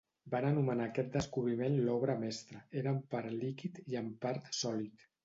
Van anomenar aquest descobriment l'obra mestra; era en part líquid i en part sòlid.